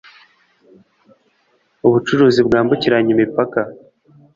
Mu bucuruzi bwambukiranya imipaka